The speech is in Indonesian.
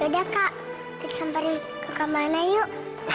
yaudah kak kita samperin kakak mana yuk